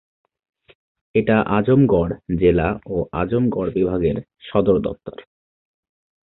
এটা আজমগড় জেলা ও আজমগড় বিভাগের সদর দপ্তর।